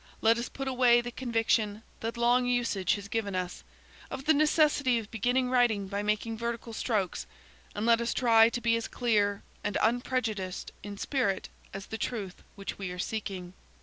Let us put away the conviction, that long usage has given us, of the necessity of beginning writing by making vertical strokes; and let us try to be as clear and unprejudiced in spirit as the truth which we are seeking.